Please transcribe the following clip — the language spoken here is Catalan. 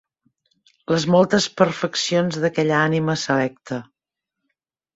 Les moltes perfeccions d'aquella ànima selecta.